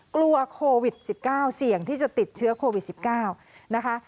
กลัวโควิด๑๙เสี่ยงที่จะติดเชื้อโควิด๑๙นะคะ